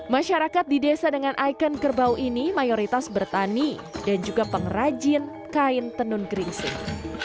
masyarakat di desa dengan ikon kerbau ini mayoritas bertani dan juga pengrajin kain tenun geringsing